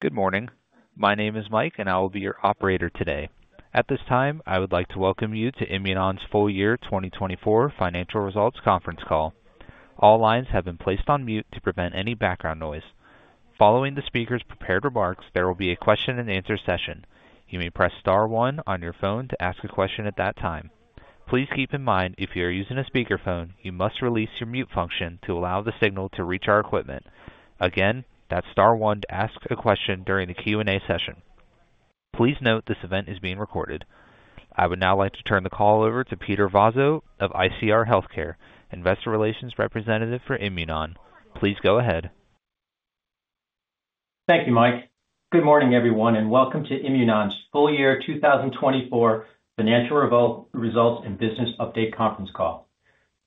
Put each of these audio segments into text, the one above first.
Good morning. My name is Mike, and I will be your operator today. At this time, I would like to welcome you to Imunon's full-year 2024 financial results conference call. All lines have been placed on mute to prevent any background noise. Following the speaker's prepared remarks, there will be a question-and-answer session. You may press star one on your phone to ask a question at that time. Please keep in mind, if you are using a speakerphone, you must release your mute function to allow the signal to reach our equipment. Again, that's star one to ask a question during the Q&A session. Please note this event is being recorded. I would now like to turn the call over to Peter Vozzo of ICR Healthcare, investor relations representative for Imunon. Please go ahead. Thank you, Mike. Good morning, everyone, and welcome to Imunon's full-year 2024 financial results and business update conference call.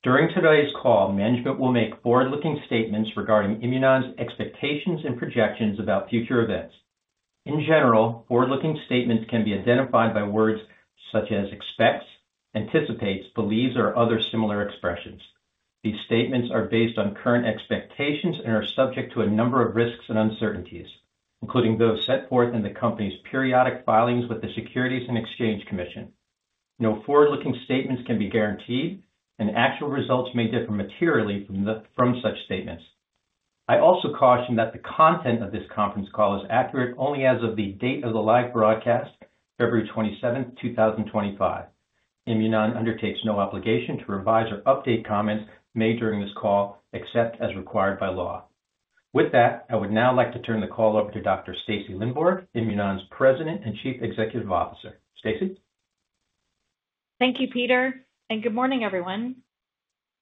During today's call, management will make forward-looking statements regarding Imunon's expectations and projections about future events. In general, forward-looking statements can be identified by words such as expects, anticipates, believes, or other similar expressions. These statements are based on current expectations and are subject to a number of risks and uncertainties, including those set forth in the company's periodic filings with the Securities and Exchange Commission. No forward-looking statements can be guaranteed, and actual results may differ materially from such statements. I also caution that the content of this conference call is accurate only as of the date of the live broadcast, February 27, 2025. Imunon undertakes no obligation to revise or update comments made during this call, except as required by law. With that, I would now like to turn the call over to Dr. Stacy Lindborg, Imunon's President and Chief Executive Officer. Stacy? Thank you, Peter. Good morning, everyone.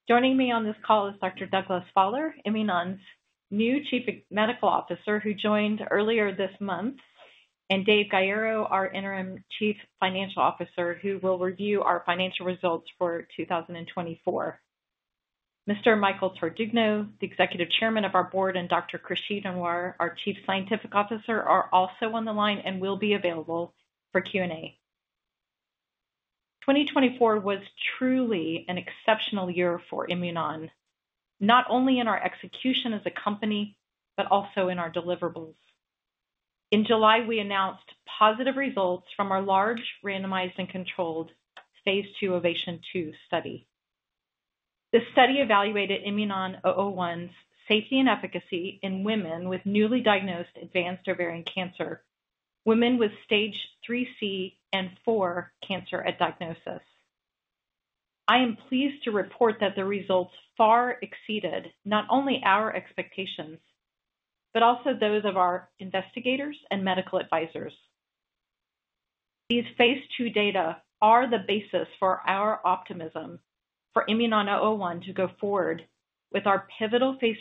Joining me on this call is Dr. Douglas Faller, Imunon's new Chief Medical Officer who joined earlier this month; and Dave Gaiero, our Interim Chief Financial Officer, who will review our financial results for 2024. Mr. Michael Tardugno, the Executive Chairman of our board; and Dr. Khursheed Anwer, our Chief Scientific Officer, are also on the line and will be available for Q&A. 2024 was truly an exceptional year for Imunon, not only in our execution as a company but also in our deliverables. In July, we announced positive results from our large randomized and controlled Phase 2 OVATION 2 study. The study evaluated IMNN-001's safety and efficacy in women with newly diagnosed advanced ovarian cancer, women with stage IIIC and IV cancer at diagnosis. I am pleased to report that the results far exceeded not only our expectations but also those of our investigators and medical advisors. These Phase 2 data are the basis for our optimism for IMNN-001 to go forward with our pivotal Phase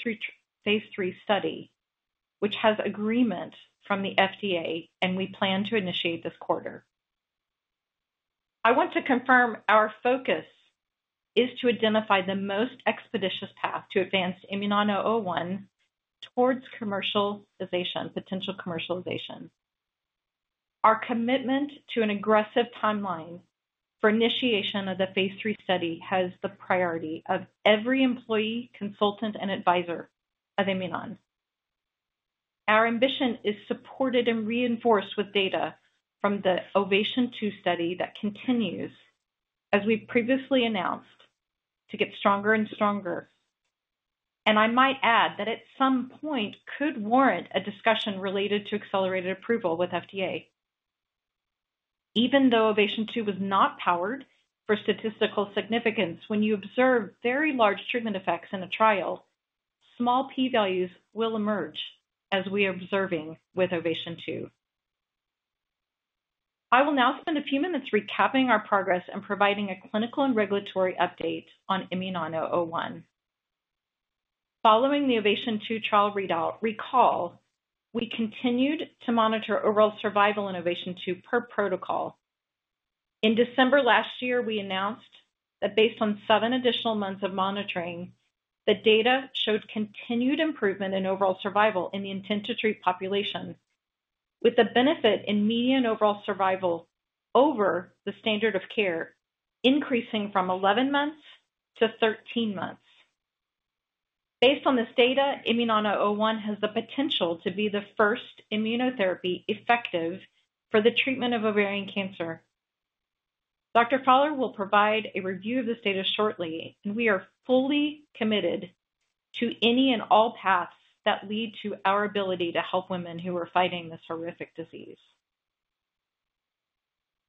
3 study, which has agreement from the FDA, and we plan to initiate this quarter. I want to confirm our focus is to identify the most expeditious path to advance IMNN-001 towards potential commercialization. Our commitment to an aggressive timeline for initiation of the Phase 3 study has the priority of every employee, consultant, and advisor of Imunon. Our ambition is supported and reinforced with data from the OVATION 2 study that continues, as we previously announced, to get stronger and stronger. I might add that at some point could warrant a discussion related to accelerated approval with FDA. Even though OVATION 2 was not powered for statistical significance, when you observe very large treatment effects in a trial, small p-values will emerge, as we are observing with OVATION 2. I will now spend a few minutes recapping our progress and providing a clinical and regulatory update on IMNN-001. Following the OVATION 2 trial read-out, recall, we continued to monitor overall survival in OVATION 2 per protocol. In December last year, we announced that based on seven additional months of monitoring, the data showed continued improvement in overall survival in the intent-to-treat population, with the benefit in median overall survival over the standard of care increasing from 11 months to 13 months. Based on this data, IMNN-001 has the potential to be the first immunotherapy effective for the treatment of ovarian cancer. Dr. Faller will provide a review of this data shortly, and we are fully committed to any and all paths that lead to our ability to help women who are fighting this horrific disease.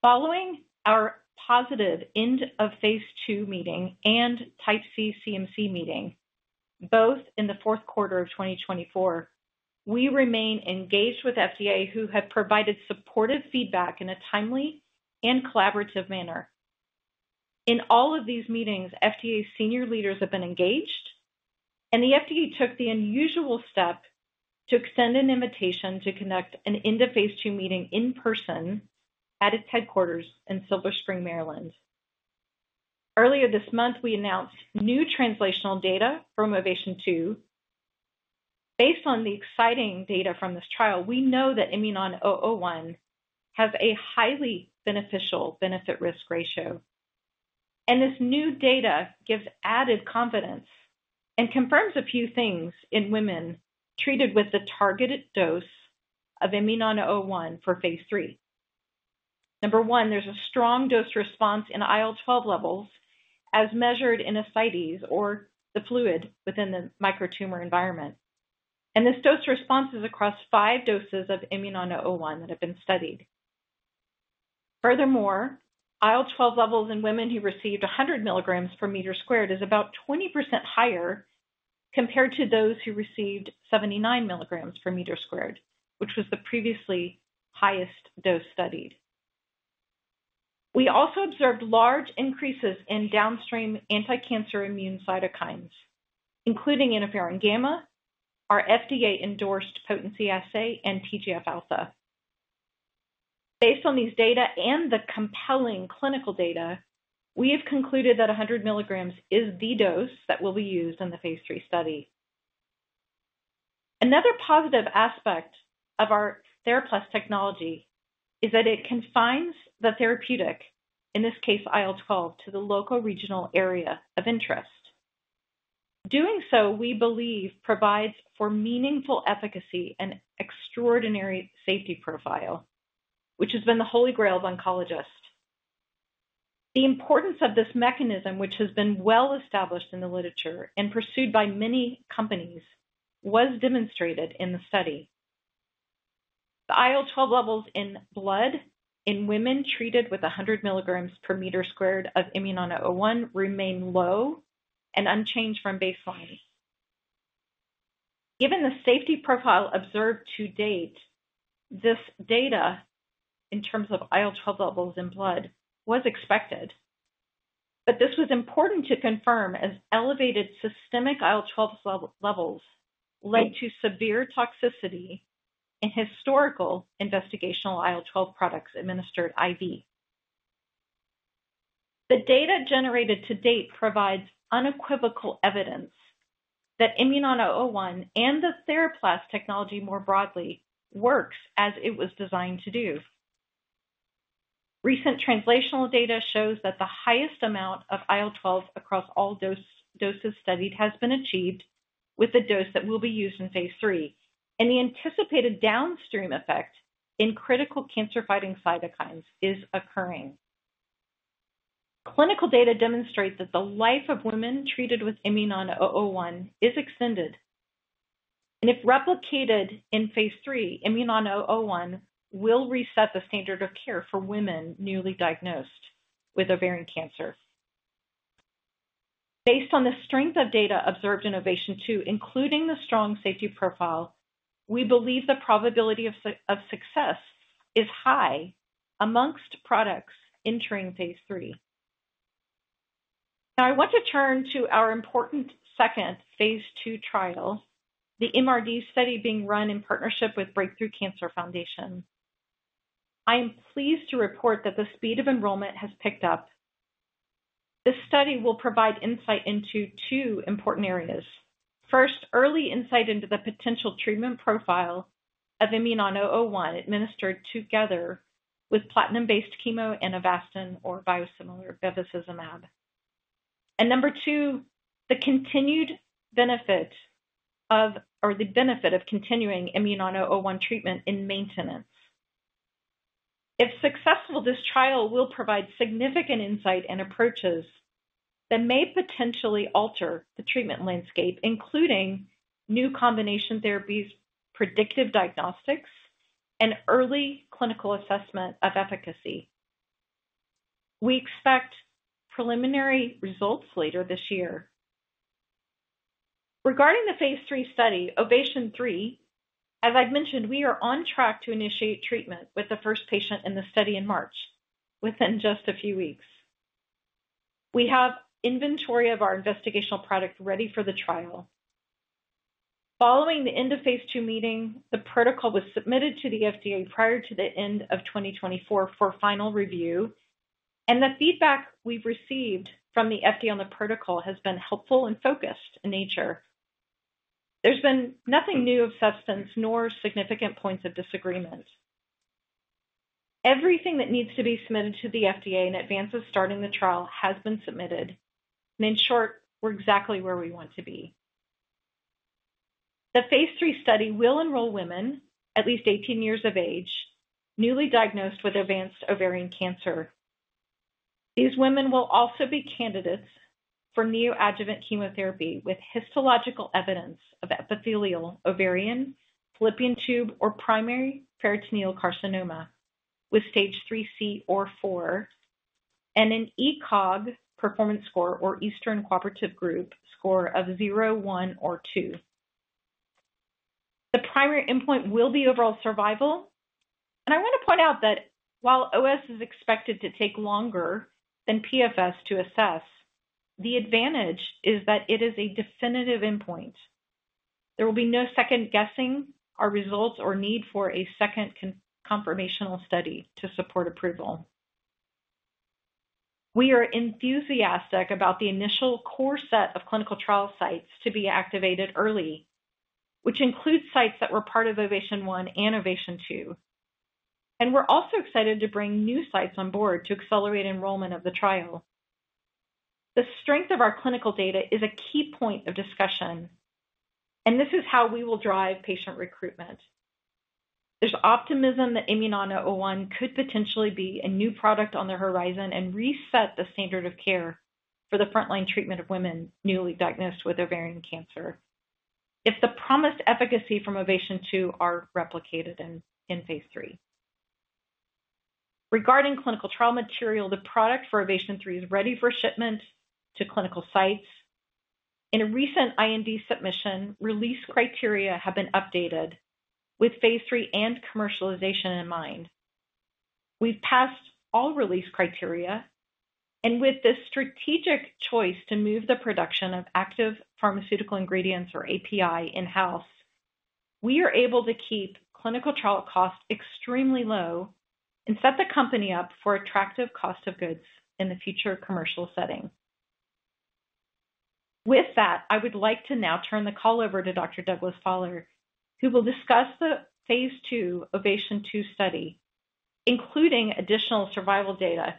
Following our positive end of Phase 2 meeting and type C CMC meeting, both in the fourth quarter of 2024, we remain engaged with FDA, who have provided supportive feedback in a timely and collaborative manner. In all of these meetings, FDA senior leaders have been engaged, and the FDA took the unusual step to extend an invitation to conduct an end of Phase 2 meeting in person at its headquarters in Silver Spring, Maryland. Earlier this month, we announced new translational data from OVATION 2. Based on the exciting data from this trial, we know that IMNN-001 has a highly beneficial benefit-risk ratio. This new data gives added confidence and confirms a few things in women treated with the targeted dose of IMNN-001 for Phase 3. Number one, there is a strong dose response in IL-12 levels, as measured in ascites, or the fluid within the micro tumor environment. This dose response is across five doses of IMNN-001 that have been studied. Furthermore, IL-12 levels in women who received 100 mg per meter squared is about 20% higher compared to those who received 79 mg per meter squared, which was the previously highest dose studied. We also observed large increases in downstream anti-cancer immune cytokines, including interferon-gamma, our FDA-endorsed potency assay, and TGF-alpha. Based on these data and the compelling clinical data, we have concluded that 100 mg is the dose that will be used in the Phase 3 study. Another positive aspect of our TheraPlas technology is that it confines the therapeutic, in this case, IL-12, to the local regional area of interest. Doing so, we believe, provides for meaningful efficacy and extraordinary safety profile, which has been the holy grail of oncologists. The importance of this mechanism, which has been well established in the literature and pursued by many companies, was demonstrated in the study. The IL-12 levels in blood in women treated with 100 mg per meter squared of IMNN-001 remain low and unchanged from baseline. Given the safety profile observed to date, this data in terms of IL-12 levels in blood was expected. This was important to confirm as elevated systemic IL-12 levels led to severe toxicity in historical investigational IL-12 products administered IV. The data generated to date provides unequivocal evidence that IMNN-001 and the TheraPlas technology more broadly works as it was designed to do. Recent translational data shows that the highest amount of IL-12 across all doses studied has been achieved with the dose that will be used in Phase 3, and the anticipated downstream effect in critical cancer-fighting cytokines is occurring. Clinical data demonstrate that the life of women treated with IMNN-001 is extended. If replicated in Phase 3, IMNN-001 will reset the standard of care for women newly diagnosed with ovarian cancer. Based on the strength of data observed in OVATION 2, including the strong safety profile, we believe the probability of success is high amongst products entering Phase 3. Now, I want to turn to our important second Phase 2 trial, the MRD study being run in partnership with Break Through Cancer Foundation. I am pleased to report that the speed of enrollment has picked up. This study will provide insight into two important areas. First, early insight into the potential treatment profile of IMNN-001 administered together with platinum-based chemo and Avastin or biosimilar bevacizumab. Number two, the continued benefit of or the benefit of continuing IMNN-001 treatment in maintenance. If successful, this trial will provide significant insight and approaches that may potentially alter the treatment landscape, including new combination therapies, predictive diagnostics, and early clinical assessment of efficacy. We expect preliminary results later this year. Regarding the Phase 3 study, OVATION 3, as I've mentioned, we are on track to initiate treatment with the first patient in the study in March, within just a few weeks. We have inventory of our investigational product ready for the trial. Following the end of Phase 2 meeting, the protocol was submitted to the FDA prior to the end of 2024 for final review. The feedback we've received from the FDA on the protocol has been helpful and focused in nature. There's been nothing new of substance nor significant points of disagreement. Everything that needs to be submitted to the FDA in advance of starting the trial has been submitted. In short, we're exactly where we want to be. The Phase 3 study will enroll women, at least 18 years of age, newly diagnosed with advanced ovarian cancer. These women will also be candidates for neoadjuvant chemotherapy with histological evidence of epithelial, ovarian, fallopian tube, or primary peritoneal carcinoma with stage IIIC or IV, and an ECOG performance score or Eastern Cooperative Oncology Group score of 0, 1, or 2. The primary endpoint will be overall survival. I want to point out that while OS is expected to take longer than PFS to assess, the advantage is that it is a definitive endpoint. There will be no second guessing our results or need for a second confirmational study to support approval. We are enthusiastic about the initial core set of clinical trial sites to be activated early, which includes sites that were part of OVATION 1 and OVATION 2. We are also excited to bring new sites on board to accelerate enrollment of the trial. The strength of our clinical data is a key point of discussion. This is how we will drive patient recruitment. There is optimism that IMNN-001 could potentially be a new product on the horizon and reset the standard of care for the frontline treatment of women newly diagnosed with ovarian cancer if the promised efficacy from OVATION 2 is replicated in Phase 3. Regarding clinical trial material, the product for OVATION 3 is ready for shipment to clinical sites. In a recent IND submission, release criteria have been updated with phase three and commercialization in mind. We have passed all release criteria. With this strategic choice to move the production of active pharmaceutical ingredients or API in-house, we are able to keep clinical trial costs extremely low and set the company up for attractive cost of goods in the future commercial setting. With that, I would like to now turn the call over to Dr. Douglas Faller, who will discuss the Phase 2 OVATION 2 study, including additional survival data.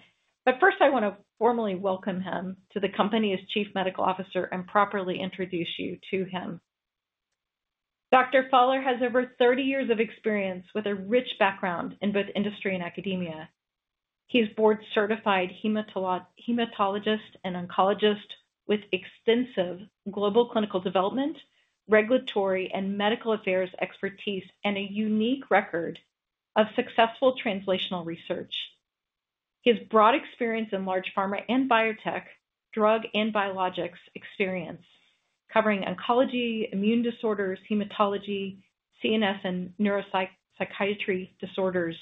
First, I want to formally welcome him to the company as Chief Medical Officer and properly introduce you to him. Dr. Faller has over 30 years of experience with a rich background in both industry and academia. He's a board-certified hematologist and oncologist with extensive global clinical development, regulatory, and medical affairs expertise, and a unique record of successful translational research. His broad experience in large pharma and biotech, drug, and biologics experience covering oncology, immune disorders, hematology, CNS and neuropsychiatry disorders,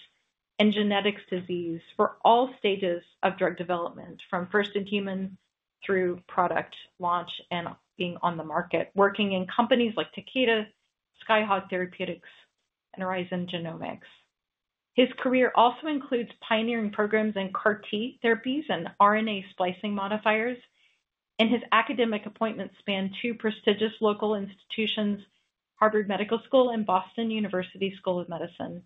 and genetics disease for all stages of drug development from first in human through product launch and being on the market, working in companies like Takeda, Skyhawk Therapeutics, and Horizon Therapeutics. His career also includes pioneering programs in CAR-T therapies and RNA splicing modifiers. His academic appointments span two prestigious local institutions, Harvard Medical School and Boston University School of Medicine.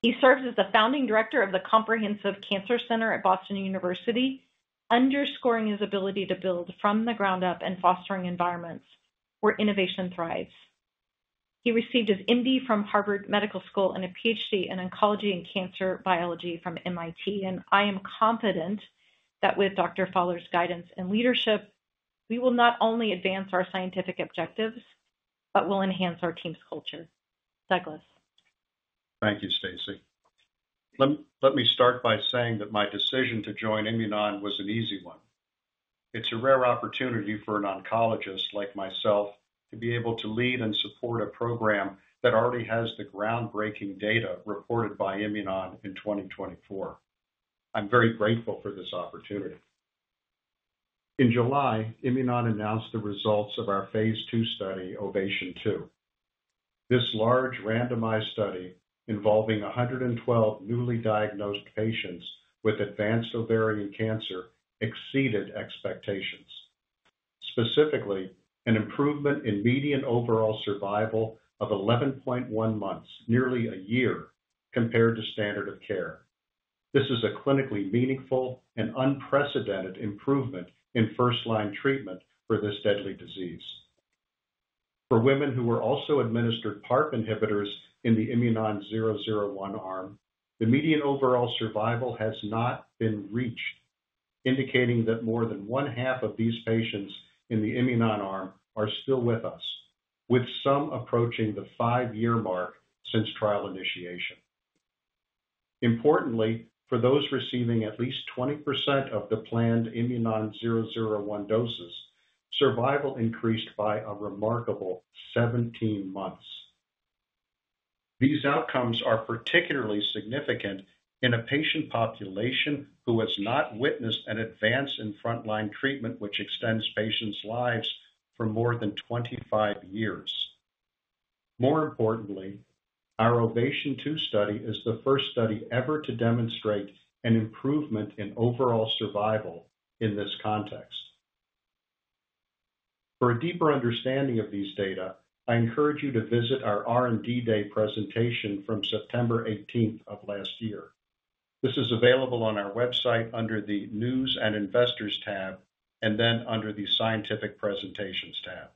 He serves as the founding director of the Comprehensive Cancer Center at Boston University, underscoring his ability to build from the ground up and fostering environments where innovation thrives. He received his MD from Harvard Medical School and a PhD in oncology and cancer biology from MIT. I am confident that with Dr. Faller's guidance and leadership, we will not only advance our scientific objectives, but will enhance our team's culture. Douglas. Thank you, Stacy. Let me start by saying that my decision to join Imunon was an easy one. It's a rare opportunity for an oncologist like myself to be able to lead and support a program that already has the groundbreaking data reported by Imunon in 2024. I'm very grateful for this opportunity. In July, Imunon announced the results of our Phase 2 study, OVATION 2. This large randomized study involving 112 newly diagnosed patients with advanced ovarian cancer exceeded expectations. Specifically, an improvement in median overall survival of 11.1 months, nearly a year, compared to standard of care. This is a clinically meaningful and unprecedented improvement in first-line treatment for this deadly disease. For women who were also administered PARP inhibitors in the IMNN-001 arm, the median overall survival has not been reached, indicating that more than one half of these patients in the IMNN-001 arm are still with us, with some approaching the five-year mark since trial initiation. Importantly, for those receiving at least 20% of the planned IMNN-001 doses, survival increased by a remarkable 17 months. These outcomes are particularly significant in a patient population who has not witnessed an advance in frontline treatment, which extends patients' lives for more than 25 years. More importantly, our OVATION 2 study is the first study ever to demonstrate an improvement in overall survival in this context. For a deeper understanding of these data, I encourage you to visit our R&D Day presentation from September 18th of last year. This is available on our website under the News and Investors tab and then under the Scientific Presentations tab.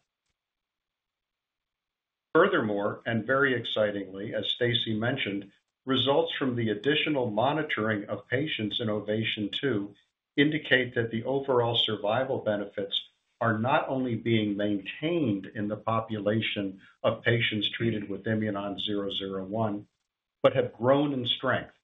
Furthermore, and very excitingly, as Stacy mentioned, results from the additional monitoring of patients in OVATION 2 indicate that the overall survival benefits are not only being maintained in the population of patients treated with IMNN-001, but have grown in strength,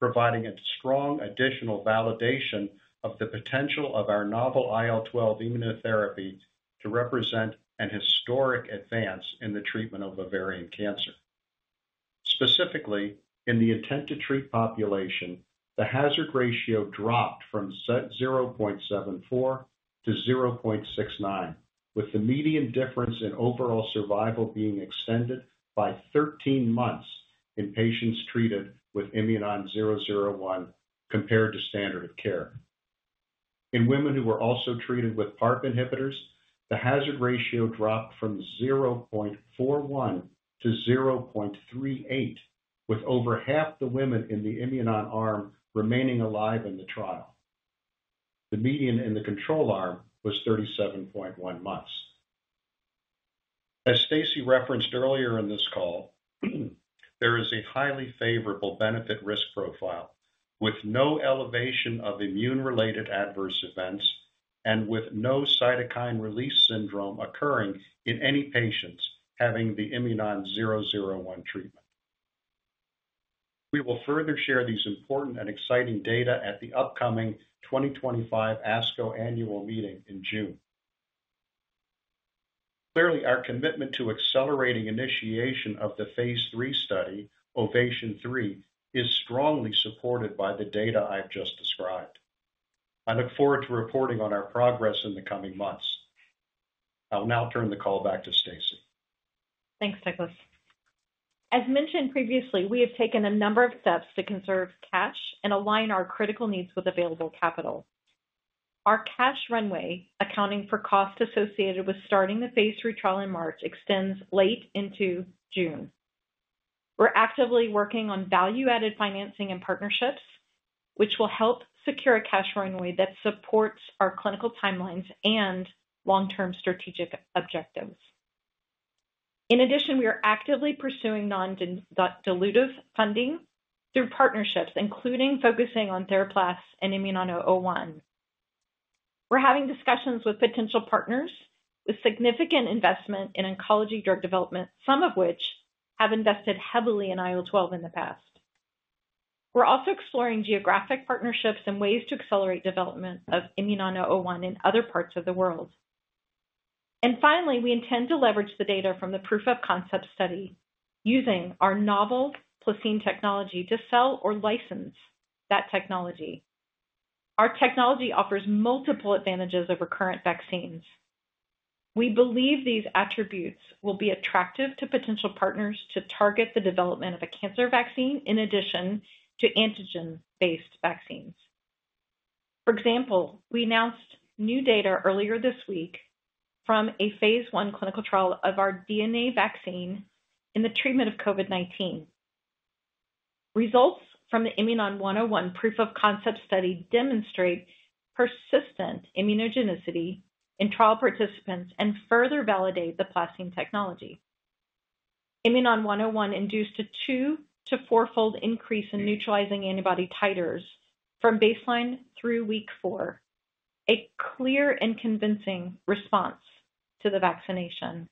providing a strong additional validation of the potential of our novel IL-12 immunotherapy to represent a historic advance in the treatment of ovarian cancer. Specifically, in the intent-to-treat population, the hazard ratio dropped from 0.74-0.69, with the median difference in overall survival being extended by 13 months in patients treated with IMNN-001 compared to standard of care. In women who were also treated with PARP inhibitors, the hazard ratio dropped from 0.41-0.38, with over half the women in the Imunon arm remaining alive in the trial. The median in the control arm was 37.1 months. As Stacy referenced earlier in this call, there is a highly favorable benefit-risk profile with no elevation of immune-related adverse events and with no cytokine release syndrome occurring in any patients having the Imunon 001 treatment. We will further share these important and exciting data at the upcoming 2025 ASCO annual meeting in June. Clearly, our commitment to accelerating initiation of the Phase 3 study, OVATION 3, is strongly supported by the data I've just described. I look forward to reporting on our progress in the coming months. I'll now turn the call back to Stacy. Thanks, Douglas. As mentioned previously, we have taken a number of steps to conserve cash and align our critical needs with available capital. Our cash runway, accounting for costs associated with starting the phase three trial in March, extends late into June. We're actively working on value-added financing and partnerships, which will help secure a cash runway that supports our clinical timelines and long-term strategic objectives. In addition, we are actively pursuing non-dilutive funding through partnerships, including focusing on TheraPlas and IMNN-001. We're having discussions with potential partners with significant investment in oncology drug development, some of which have invested heavily in IL-12 in the past. We're also exploring geographic partnerships and ways to accelerate development of IMNN-001 in other parts of the world. Finally, we intend to leverage the data from the proof of concept study using our novel PlaCCine technology to sell or license that technology. Our technology offers multiple advantages over current vaccines. We believe these attributes will be attractive to potential partners to target the development of a cancer vaccine in addition to antigen-based vaccines. For example, we announced new data earlier this week from a Phase 1 clinical trial of our DNA vaccine in the treatment of COVID-19. Results from the IMNN-101 proof-of-concept study demonstrate persistent immunogenicity in trial participants and further validate the PlaCCine technology. IMNN-101 induced a two- to four-fold increase in neutralizing antibody titers from baseline through week four, a clear and convincing response to the vaccination.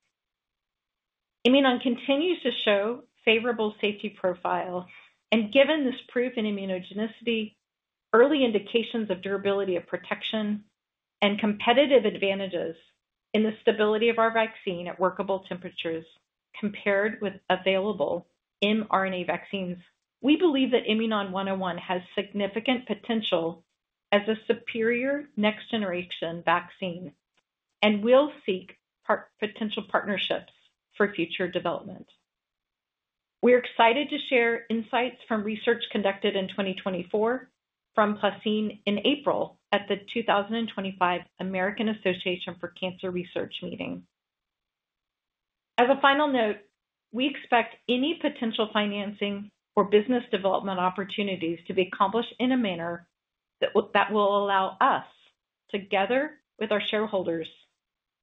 Imunon continues to show favorable safety profiles. Given this proof in immunogenicity, early indications of durability of protection, and competitive advantages in the stability of our vaccine at workable temperatures compared with available mRNA vaccines, we believe that IMNN-101 has significant potential as a superior next-generation vaccine and will seek potential partnerships for future development. We are excited to share insights from research conducted in 2024 from PlaCCine in April at the 2025 American Association for Cancer Research meeting. As a final note, we expect any potential financing or business development opportunities to be accomplished in a manner that will allow us, together with our shareholders,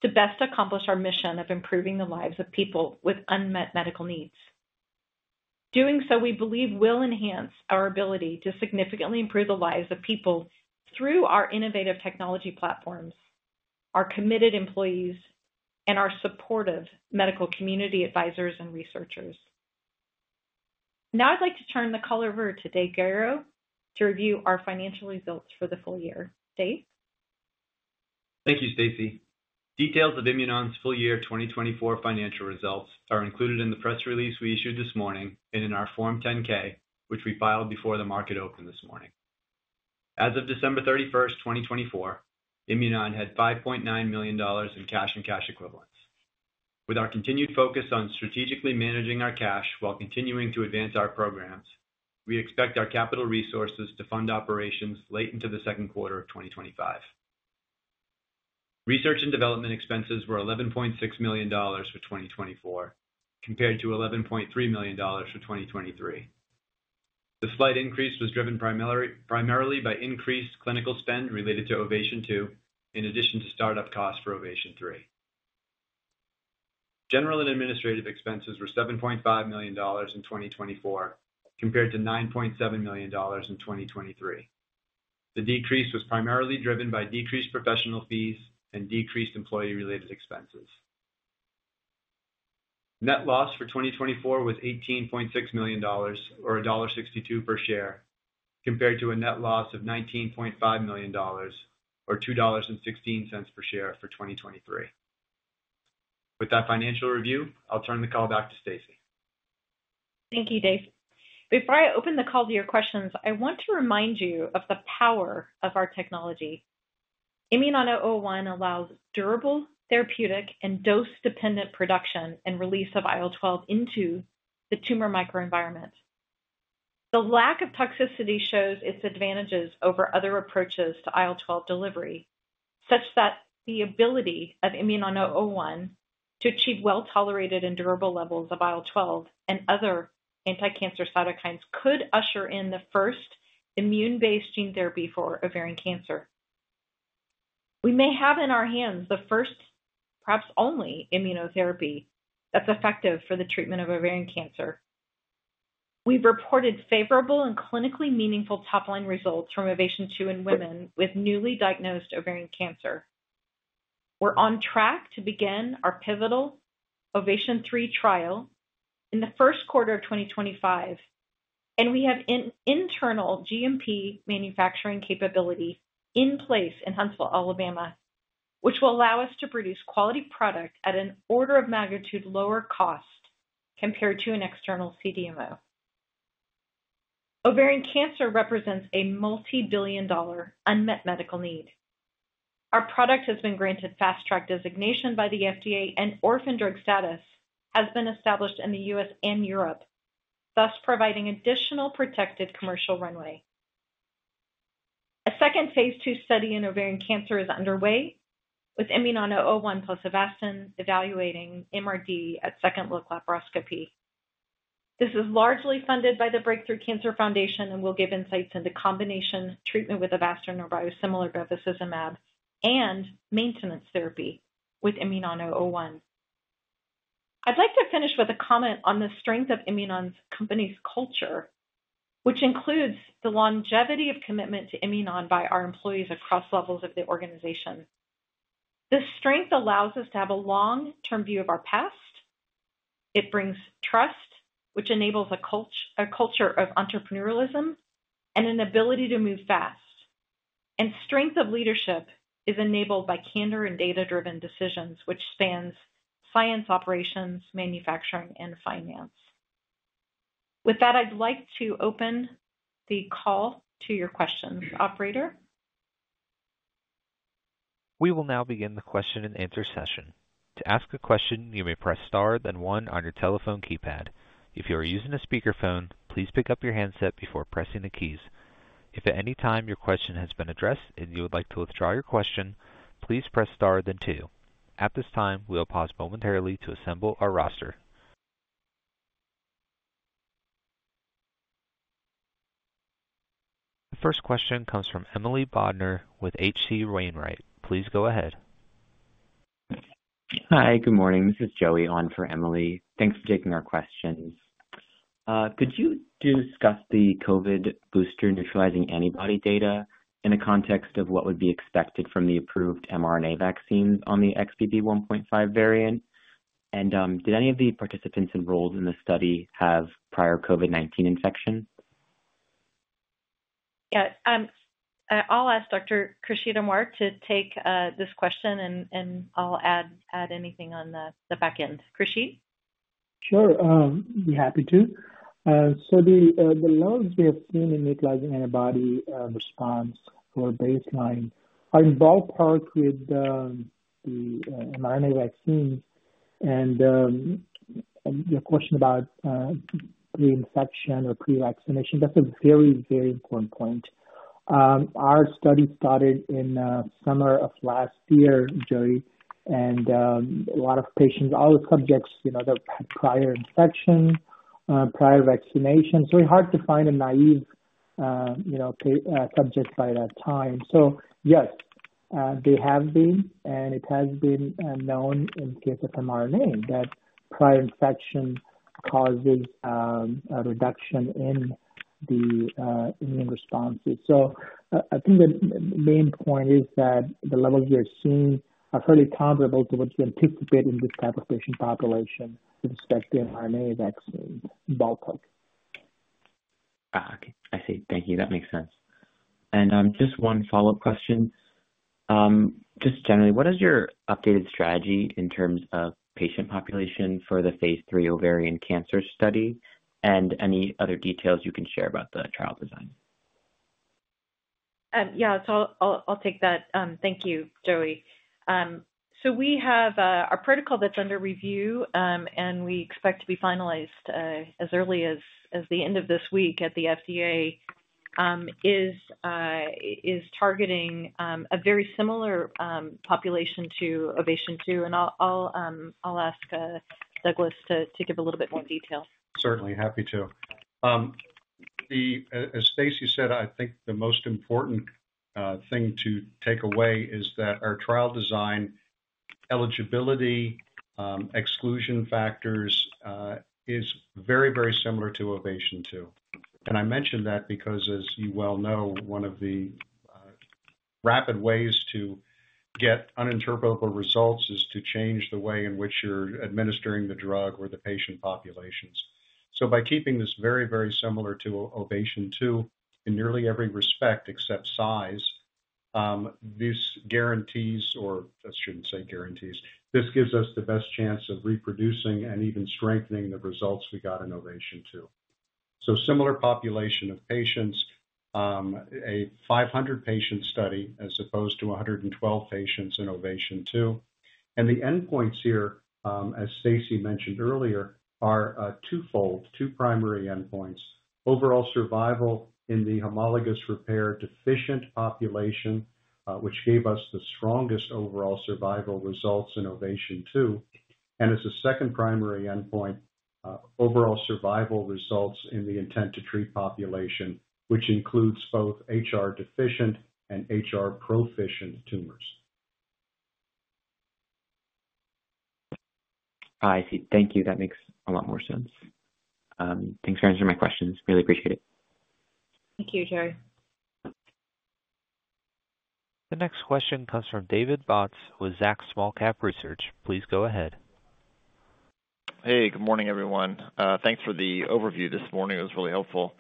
to best accomplish our mission of improving the lives of people with unmet medical needs. Doing so, we believe, will enhance our ability to significantly improve the lives of people through our innovative technology platforms, our committed employees, and our supportive medical community advisors and researchers. Now, I'd like to turn the call over to Dave Gaiero to review our financial results for the full year. Dave. Thank you, Stacy. Details of Imunon's full year 2024 financial results are included in the press release we issued this morning and in our Form 10-K, which we filed before the market opened this morning. As of December 31st, 2024, Imunon had $5.9 million in cash and cash equivalents. With our continued focus on strategically managing our cash while continuing to advance our programs, we expect our capital resources to fund operations late into the second quarter of 2025. Research and development expenses were $11.6 million for 2024, compared to $11.3 million for 2023. The slight increase was driven primarily by increased clinical spend related to OVATION 2, in addition to startup costs for OVATION 3. General and administrative expenses were $7.5 million in 2024, compared to $9.7 million in 2023. The decrease was primarily driven by decreased professional fees and decreased employee-related expenses. Net loss for 2024 was $18.6 million, or $1.62 per share, compared to a net loss of $19.5 million, or $2.16 per share for 2023. With that financial review, I'll turn the call back to Stacy. Thank you, Dave. Before I open the call to your questions, I want to remind you of the power of our technology. IMNN-001 allows durable therapeutic and dose-dependent production and release of IL-12 into the tumor microenvironment. The lack of toxicity shows its advantages over other approaches to IL-12 delivery, such that the ability of IMNN-001 to achieve well-tolerated and durable levels of IL-12 and other anti-cancer cytokines could usher in the first immune-based gene therapy for ovarian cancer. We may have in our hands the first, perhaps only, immunotherapy that's effective for the treatment of ovarian cancer. We've reported favorable and clinically meaningful top-line results from OVATION 2 in women with newly diagnosed ovarian cancer. We are on track to begin our pivotal OVATION 3 trial in the first quarter of 2025. We have internal GMP manufacturing capability in place in Huntsville, Alabama, which will allow us to produce quality product at an order of magnitude lower cost compared to an external CDMO. Ovarian cancer represents a multi-billion dollar unmet medical need. Our product has been granted Fast Track designation by the FDA, and orphan drug status has been established in the U.S. and Europe, thus providing additional protected commercial runway. A second Phase 2 study in ovarian cancer is underway, with IMNN-001 plus Avastin evaluating MRD at second look laparoscopy. This is largely funded by the Breakthrough Cancer Foundation and will give insights into combination treatment with Avastin or biosimilar bevacizumab and maintenance therapy with IMNN-001. I'd like to finish with a comment on the strength of Imunon's company's culture, which includes the longevity of commitment to Imunon by our employees across levels of the organization. This strength allows us to have a long-term view of our past. It brings trust, which enables a culture of entrepreneurialism and an ability to move fast. Strength of leadership is enabled by candor and data-driven decisions, which spans science, operations, manufacturing, and finance. With that, I'd like to open the call to your questions, Operator. We will now begin the question and answer session. To ask a question, you may press star, then one on your telephone keypad. If you are using a speakerphone, please pick up your handset before pressing the keys. If at any time your question has been addressed and you would like to withdraw your question, please press star, then two. At this time, we'll pause momentarily to assemble our roster. The first question comes from Emily Bodnar with H.C. Wainwright. Please go ahead. Hi, good morning. This is Joey on for Emily. Thanks for taking our questions. Could you discuss the COVID booster neutralizing antibody data in the context of what would be expected from the approved mRNA vaccines on the XBB.1.5 variant? And did any of the participants enrolled in the study have prior COVID-19 infection? Yeah. I'll ask Dr. Khursheed Anwer to take this question, and I'll add anything on the back end. Khursheed? Sure. I'd be happy to. The levels we have seen in neutralizing antibody response for baseline are in ballpark with the mRNA vaccine. Your question about pre-infection or pre-vaccination, that's a very, very important point. Our study started in the summer of last year, Joey, and a lot of patients, all the subjects, you know, that had prior infection, prior vaccination. It's hard to find a naive subject by that time. Yes, they have been, and it has been known in the case of mRNA that prior infection causes a reduction in the immune responses. I think the main point is that the levels we have seen are fairly comparable to what you anticipate in this type of patient population with respect to mRNA vaccine in ballpark. Okay. I see. Thank you. That makes sense. Just one follow-up question. Just generally, what is your updated strategy in terms of patient population for the Phase 3 ovarian cancer study and any other details you can share about the trial design? Yeah, I'll take that. Thank you, Joey. We have our protocol that's under review, and we expect to be finalized as early as the end of this week at the FDA, is targeting a very similar population to OVATION 2. I'll ask Douglas to give a little bit more detail. Certainly. Happy to. As Stacy said, I think the most important thing to take away is that our trial design eligibility exclusion factors is very, very similar to OVATION 2. I mention that because, as you well know, one of the rapid ways to get uninterpretable results is to change the way in which you're administering the drug or the patient populations. By keeping this very, very similar to OVATION 2 in nearly every respect except size, this gives us the best chance of reproducing and even strengthening the results we got in OVATION 2. Similar population of patients, a 500-patient study as opposed to 112 patients in OVATION 2. The endpoints here, as Stacy mentioned earlier, are twofold, two primary endpoints. Overall survival in the homologous repair deficient population, which gave us the strongest overall survival results in OVATION 2. As a second primary endpoint, overall survival results in the intent to treat population, which includes both HR-deficient and HR-proficient tumors. I see. Thank you. That makes a lot more sense. Thanks for answering my questions. Really appreciate it. Thank you, Joey. The next question comes from David Bautz with Zacks Small-Cap Research. Please go ahead. Hey, good morning, everyone. Thanks for the overview this morning. It was really helpful.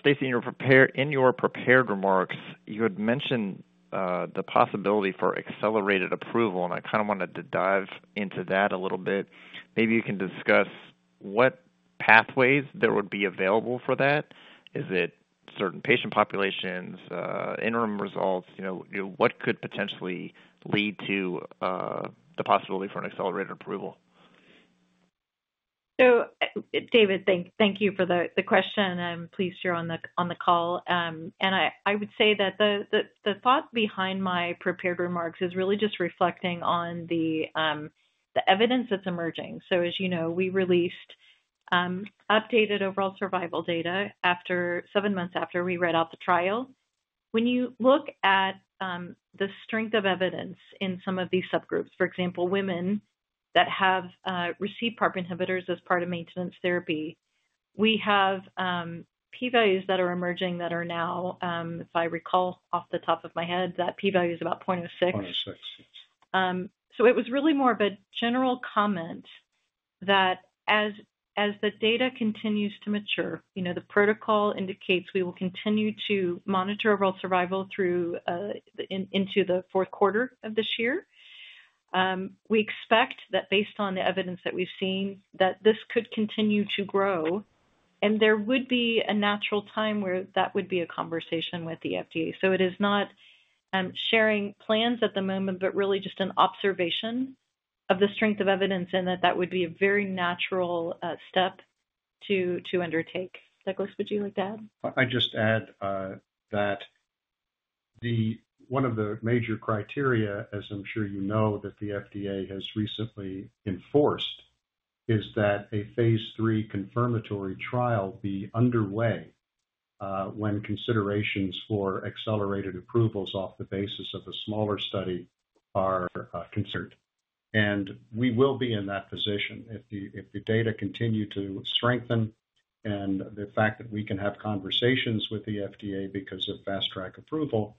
Stacy, in your prepared remarks, you had mentioned the possibility for accelerated approval, and I kind of wanted to dive into that a little bit. Maybe you can discuss what pathways there would be available for that. Is it certain patient populations, interim results? What could potentially lead to the possibility for an accelerated approval? David, thank you for the question. I'm pleased you're on the call. I would say that the thought behind my prepared remarks is really just reflecting on the evidence that's emerging. As you know, we released updated overall survival data after seven months after we read out the trial. When you look at the strength of evidence in some of these subgroups, for example, women that have received PARP inhibitors as part of maintenance therapy, we have p-values that are emerging that are now, if I recall off the top of my head, that p-value is about 0.06. 0.06, yes. It was really more of a general comment that as the data continues to mature, the protocol indicates we will continue to monitor overall survival into the fourth quarter of this year. We expect that based on the evidence that we've seen, this could continue to grow. There would be a natural time where that would be a conversation with the FDA. It is not sharing plans at the moment, but really just an observation of the strength of evidence and that that would be a very natural step to undertake. Douglas, would you like to add? I'd just add that one of the major criteria, as I'm sure you know that the FDA has recently enforced, is that a phase three confirmatory trial be underway when considerations for accelerated approvals off the basis of a smaller study are considered. We will be in that position if the data continue to strengthen and the fact that we can have conversations with the FDA because of Fast Track approval,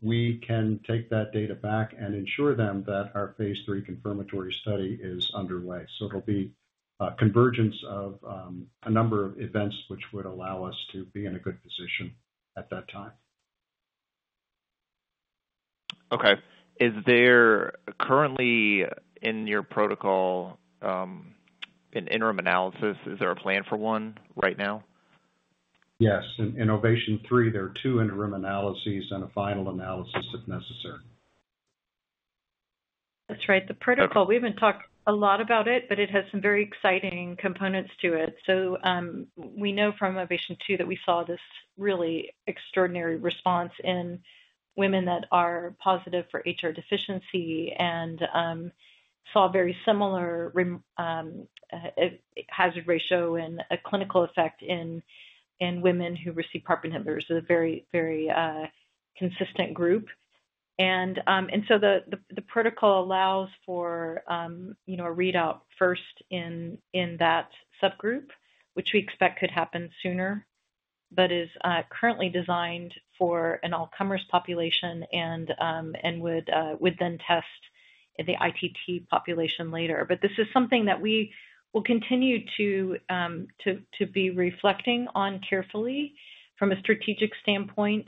we can take that data back and ensure them that our phase three confirmatory study is underway. It will be a convergence of a number of events which would allow us to be in a good position at that time. Okay. Is there currently in your protocol an interim analysis? Is there a plan for one right now? Yes. In OVATION 3, there are two interim analyses and a final analysis if necessary. That's right. The protocol, we haven't talked a lot about it, but it has some very exciting components to it. We know from OVATION 2 that we saw this really extraordinary response in women that are positive for HR-deficiency and saw very similar hazard ratio and a clinical effect in women who receive PARP inhibitors. It is a very, very consistent group. The protocol allows for a readout first in that subgroup, which we expect could happen sooner, but is currently designed for an all-comers population and would then test the ITT population later. This is something that we will continue to be reflecting on carefully from a strategic standpoint.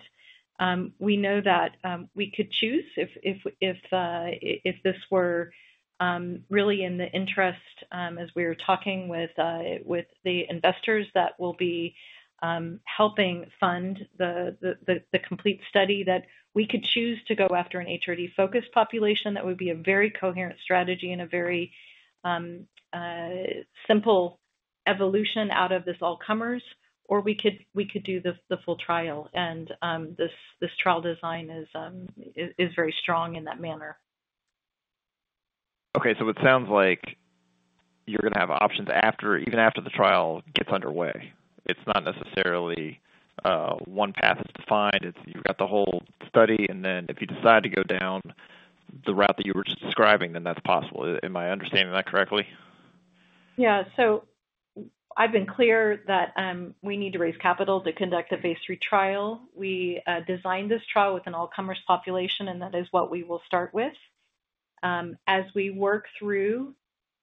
We know that we could choose if this were really in the interest, as we were talking with the investors that will be helping fund the complete study, that we could choose to go after an HRD-focused population. That would be a very coherent strategy and a very simple evolution out of this all-comers, or we could do the full trial. This trial design is very strong in that manner. Okay. It sounds like you're going to have options even after the trial gets underway. It's not necessarily one path is defined. You've got the whole study, and then if you decide to go down the route that you were describing, then that's possible. Am I understanding that correctly? Yeah. I've been clear that we need to raise capital to conduct a Phase 3 trial. We designed this trial with an all-comers population, and that is what we will start with. As we work through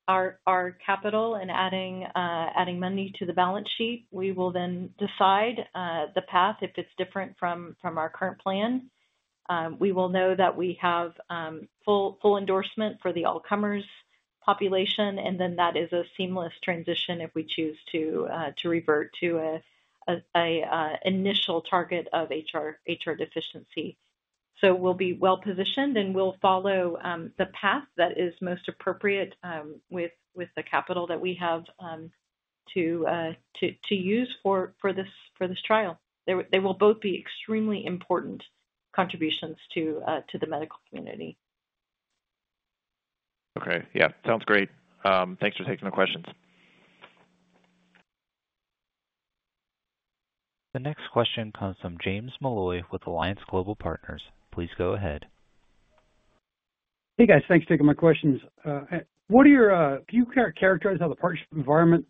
our capital and adding money to the balance sheet, we will then decide the path if it's different from our current plan. We will know that we have full endorsement for the all-comers population, and that is a seamless transition if we choose to revert to an initial target of HR deficiency. We will be well-positioned, and we will follow the path that is most appropriate with the capital that we have to use for this trial. They will both be extremely important contributions to the medical community. Okay. Yeah. Sounds great. Thanks for taking my questions. The next question comes from James Molloy with Alliance Global Partners. Please go ahead. Hey, guys. Thanks for taking my questions. What are your—can you characterize how the partnership environment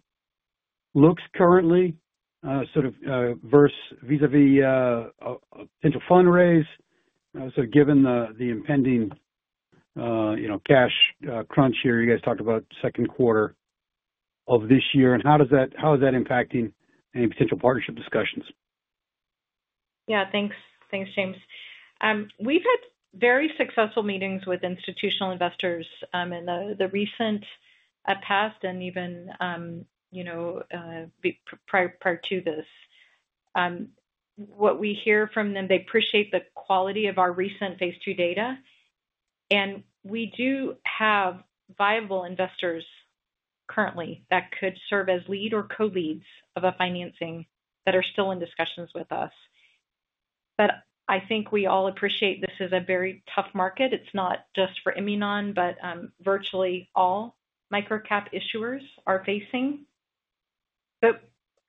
looks currently, sort of versus vis-à-vis a potential fundraise? Given the impending cash crunch here, you guys talked about second quarter of this year. How is that impacting any potential partnership discussions? Yeah. Thanks, James. We've had very successful meetings with institutional investors in the recent past and even prior to this. What we hear from them, they appreciate the quality of our recent Phase 2 data. And we do have viable investors currently that could serve as lead or co-leads of a financing that are still in discussions with us. I think we all appreciate this is a very tough market. It's not just for Imunon, but virtually all microcap issuers are facing.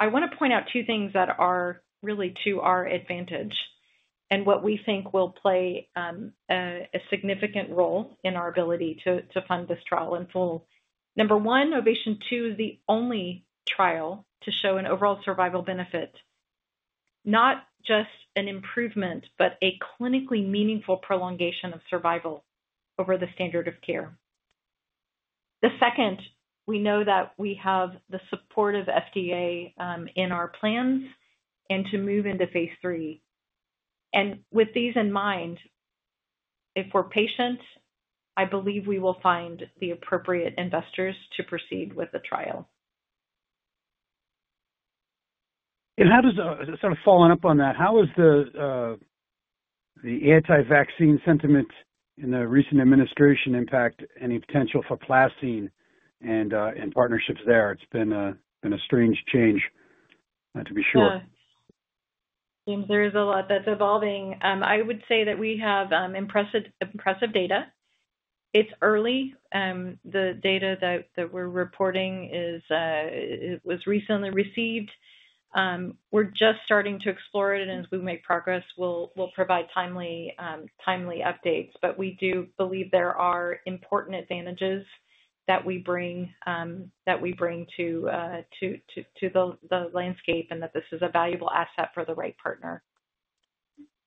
I want to point out two things that are really to our advantage and what we think will play a significant role in our ability to fund this trial in full. Number one, OVATION 2 is the only trial to show an overall survival benefit, not just an improvement, but a clinically meaningful prolongation of survival over the standard of care. The second, we know that we have the support of FDA in our plans to move into Phase 3. With these in mind, if we're patient, I believe we will find the appropriate investors to proceed with the trial. Sort of following up on that, how has the anti-vaccine sentiment in the recent administration impacted any potential for PlaCCine and partnerships there? It's been a strange change, to be sure. Yeah. James, there is a lot that's evolving. I would say that we have impressive data. It's early. The data that we're reporting was recently received. We're just starting to explore it, and as we make progress, we'll provide timely updates. We do believe there are important advantages that we bring to the landscape and that this is a valuable asset for the right partner.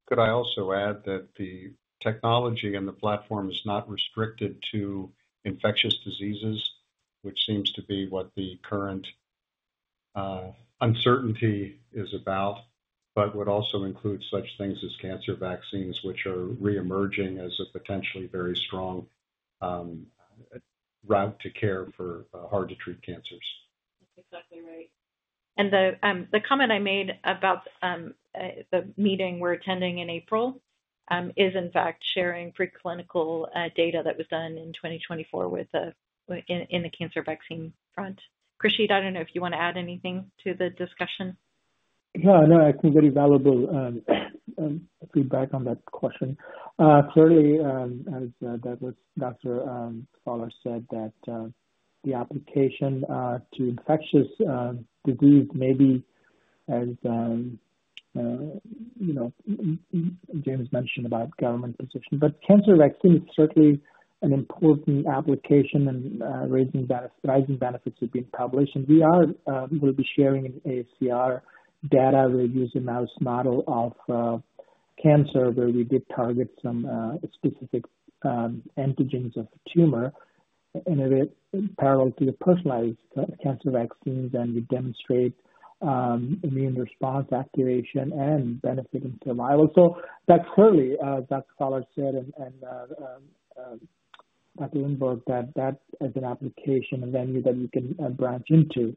Could I also add that the technology and the platform is not restricted to infectious diseases, which seems to be what the current uncertainty is about, but would also include such things as cancer vaccines, which are reemerging as a potentially very strong route to care for hard-to-treat cancers? That's exactly right. The comment I made about the meeting we're attending in April is, in fact, sharing preclinical data that was done in 2024 in the cancer vaccine front. Khursheed, I don't know if you want to add anything to the discussion. No, no. I think very valuable feedback on that question. Clearly, as Douglas Faller said, the application to infectious disease may be, as James mentioned, about government position. Cancer vaccine is certainly an important application and raising benefits of being published. We will be sharing ACR data. We're using a mouse model of cancer where we did target some specific antigens of tumor in a way parallel to the personalized cancer vaccines, and we demonstrate immune response activation and benefit in survival. That is clearly, as Dr. Faller said and Dr. Lindborg, that that is an application venue that you can branch into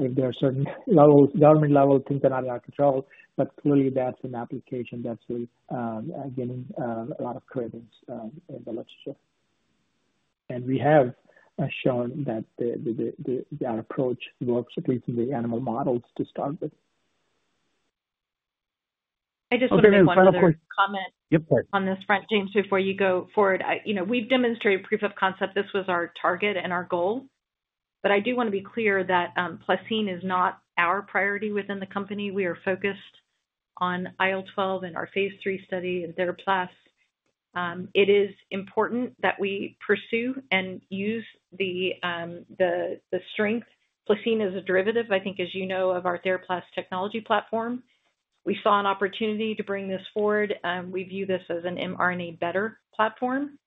if there are certain government-level things that are not in our control. That is an application that's getting a lot of credence in the literature. We have shown that our approach works, at least in the animal models to start with. I just wanted to add one last comment. Yep. On this front, James, before you go forward, we've demonstrated proof of concept. This was our target and our goal. I do want to be clear that PlaCCine is not our priority within the company. We are focused on IL-12 and our Phase 3 study and TheraPlas. It is important that we pursue and use the strength, PlaCCine as a derivative, I think, as you know, of our TheraPlas technology platform. We saw an opportunity to bring this forward. We view this as an mRNA better platform,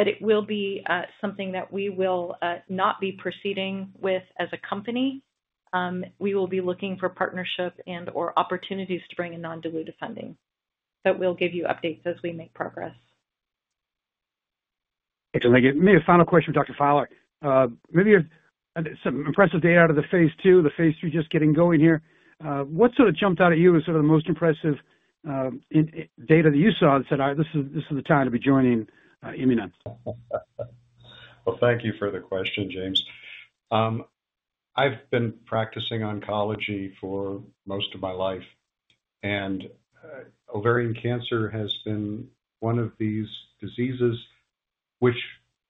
but it will be something that we will not be proceeding with as a company. We will be looking for partnership and/or opportunities to bring in non-dilutive funding. We'll give you updates as we make progress. Thanks. Maybe a final question for Dr. Faller. Maybe some impressive data out of the Phase 2, the Phase 3 just getting going here. What sort of jumped out at you as sort of the most impressive data that you saw that said, "This is the time to be joining Imunon"? Thank you for the question, James. I've been practicing oncology for most of my life, and ovarian cancer has been one of these diseases which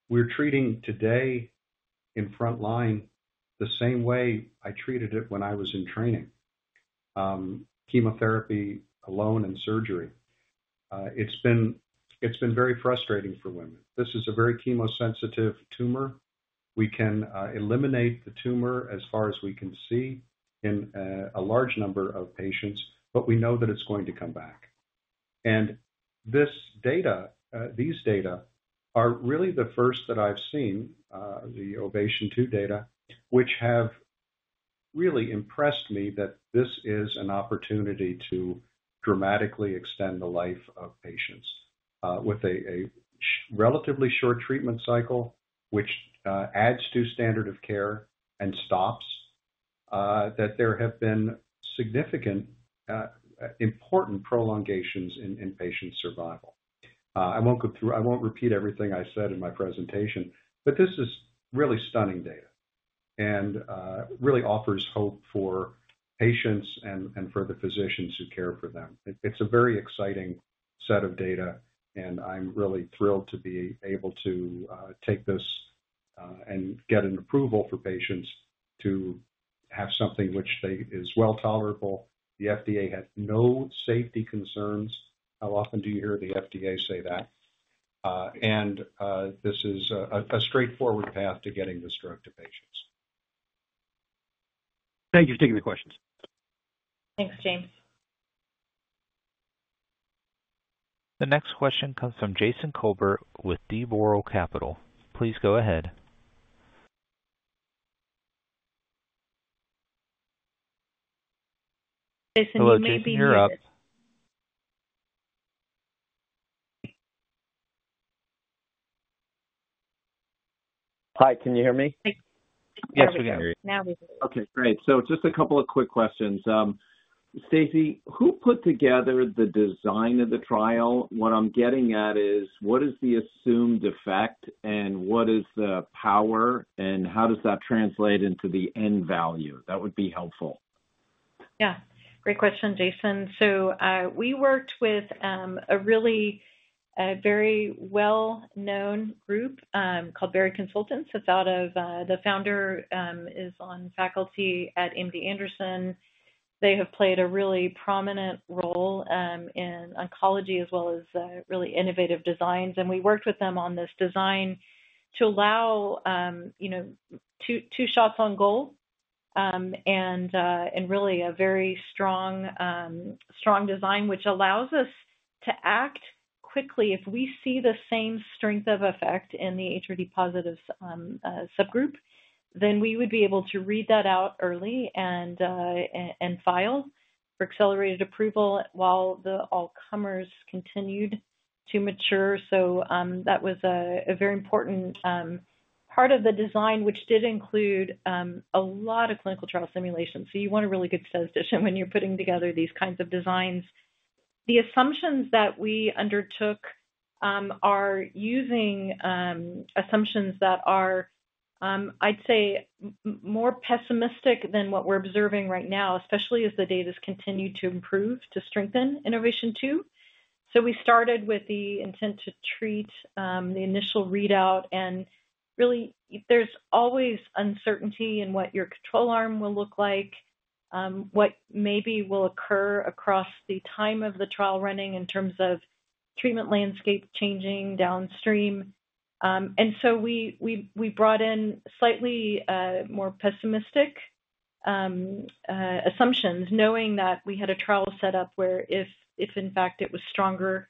we're treating today in front line the same way I treated it when I was in training: chemotherapy alone and surgery. It's been very frustrating for women. This is a very chemosensitive tumor. We can eliminate the tumor as far as we can see in a large number of patients, but we know that it's going to come back. These data are really the first that I've seen, the OVATION 2 data, which have really impressed me that this is an opportunity to dramatically extend the life of patients with a relatively short treatment cycle, which adds to standard of care and shows that there have been significant, important prolongations in patient survival. I won't go through, I won't repeat everything I said in my presentation, but this is really stunning data and really offers hope for patients and for the physicians who care for them. It's a very exciting set of data, and I'm really thrilled to be able to take this and get an approval for patients to have something which is well tolerable. The FDA had no safety concerns. How often do you hear the FDA say that? This is a straightforward path to getting this drug to patients. Thank you for taking the questions. Thanks, James. The next question comes from Jason Kolbert with D. Boral Capital. Please go ahead. Jason, maybe you're up. Hi. Can you hear me? Yes, we can hear you. Okay. Great. Just a couple of quick questions. Stacy, who put together the design of the trial? What I'm getting at is, what is the assumed effect, and what is the power, and how does that translate into the end value? That would be helpful. Yeah. Great question, Jason. We worked with a really very well-known group called Berry Consultants. The founder is on faculty at MD Anderson. They have played a really prominent role in oncology as well as really innovative designs. We worked with them on this design to allow two shots on goal and really a very strong design, which allows us to act quickly. If we see the same strength of effect in the HRD-positive subgroup, then we would be able to read that out early and file for accelerated approval while the all-comers continued to mature. That was a very important part of the design, which did include a lot of clinical trial simulations. You want a really good statistician when you're putting together these kinds of designs. The assumptions that we undertook are using assumptions that are, I'd say, more pessimistic than what we're observing right now, especially as the data has continued to improve to strengthen OVATION 2. We started with the intent to treat the initial readout. Really, there's always uncertainty in what your control arm will look like, what maybe will occur across the time of the trial running in terms of treatment landscape changing downstream. We brought in slightly more pessimistic assumptions, knowing that we had a trial set up where if, in fact, it was stronger,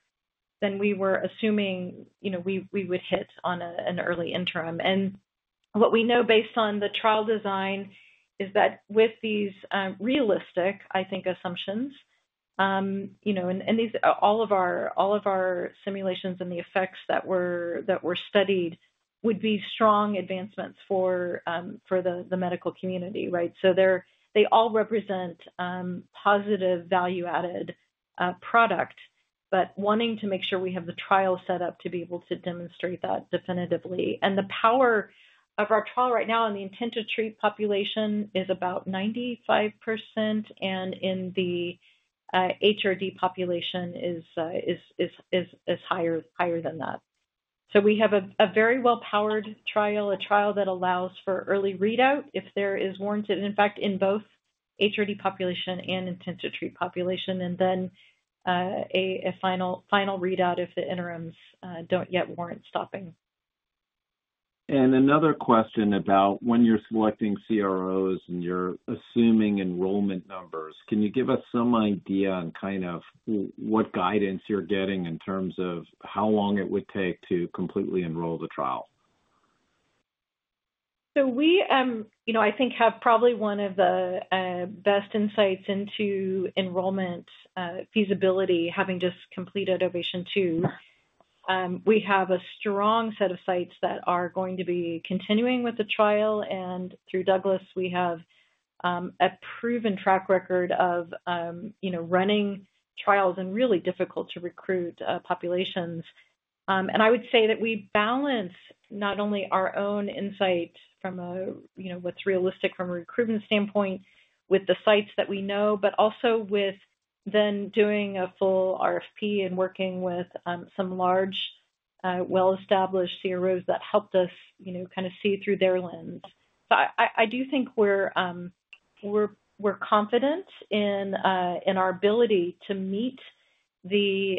then we were assuming we would hit on an early interim. What we know based on the trial design is that with these realistic, I think, assumptions and all of our simulations and the effects that were studied would be strong advancements for the medical community, right? They all represent positive value-added product, but wanting to make sure we have the trial set up to be able to demonstrate that definitively. The power of our trial right now on the intent-to-treat population is about 95%, and in the HRD population is higher than that. We have a very well-powered trial, a trial that allows for early readout if there is warranted, in fact, in both HRD population and intent-to-treat population, and then a final readout if the interims do not yet warrant stopping. Another question about when you're selecting CROs and you're assuming enrollment numbers, can you give us some idea on kind of what guidance you're getting in terms of how long it would take to completely enroll the trial? We, I think, have probably one of the best insights into enrollment feasibility, having just completed OVATION 2. We have a strong set of sites that are going to be continuing with the trial. Through Douglas, we have a proven track record of running trials in really difficult-to-recruit populations. I would say that we balance not only our own insight from what's realistic from a recruitment standpoint with the sites that we know, but also with then doing a full RFP and working with some large, well-established CROs that helped us kind of see through their lens. I do think we're confident in our ability to meet the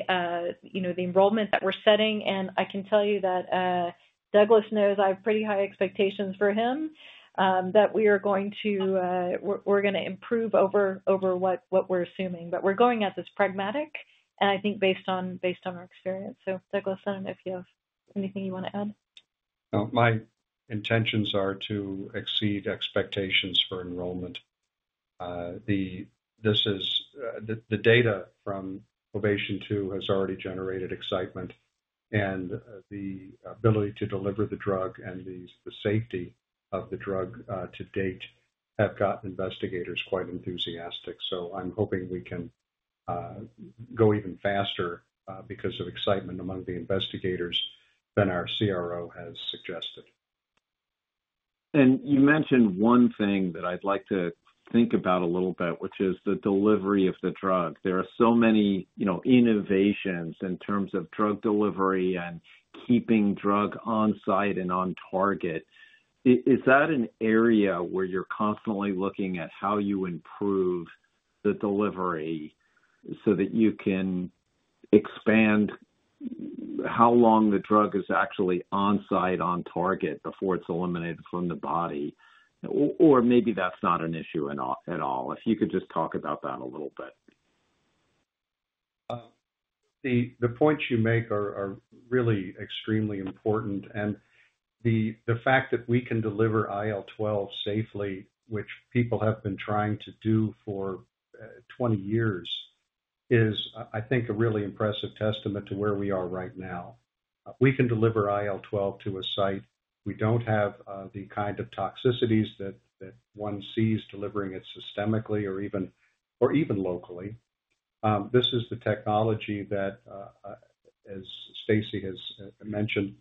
enrollment that we're setting. I can tell you that Douglas knows I have pretty high expectations for him, that we are going to improve over what we're assuming. We're going at this pragmatic, and I think based on our experience. Douglas, I don't know if you have anything you want to add. My intentions are to exceed expectations for enrollment. The data from OVATION 2 has already generated excitement, and the ability to deliver the drug and the safety of the drug to date have gotten investigators quite enthusiastic. I'm hoping we can go even faster because of excitement among the investigators than our CRO has suggested. You mentioned one thing that I'd like to think about a little bit, which is the delivery of the drug. There are so many innovations in terms of drug delivery and keeping drug on-site and on target. Is that an area where you're constantly looking at how you improve the delivery so that you can expand how long the drug is actually on-site, on target before it's eliminated from the body? Maybe that's not an issue at all. If you could just talk about that a little bit. The points you make are really extremely important. The fact that we can deliver IL-12 safely, which people have been trying to do for 20 years, is, I think, a really impressive testament to where we are right now. We can deliver IL-12 to a site. We do not have the kind of toxicities that one sees delivering it systemically or even locally. This is the technology that, as Stacy has mentioned,